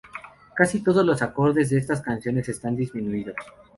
Casi todos los acordes de estas canciones están disminuidos.